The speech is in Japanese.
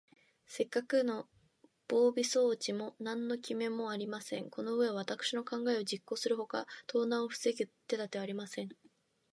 せっかくの防備装置も、なんのききめもありません。このうえは、わたくしの考えを実行するほかに、盗難をふせぐ手だてはありません。